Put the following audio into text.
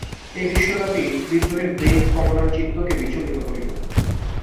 এই বিশ্বব্যাপী, বিদ্রোহের বেগ কমলার চিত্তকে বিচলিত করিল।